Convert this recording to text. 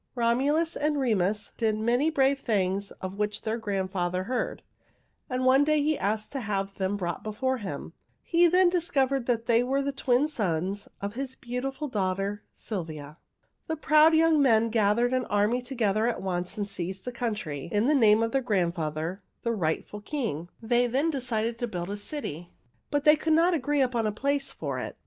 Romulus and Remus did many brave things of which their grandfather heard, and one day he asked to have them brought before him. He then discovered that they were the twin sons of his beautiful daughter Sylvia. "The proud young men gathered an army together at once and seized the country in the name of their grandfather, the rightful king. They then decided to build a city, but they could not agree upon a place for it.